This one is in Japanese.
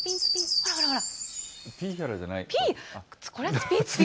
ほらほらほら。